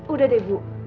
udah deh ibu